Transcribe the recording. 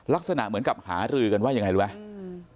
ลักษณะเหมือนกับหารือกันว่ายังไงรู้ไหม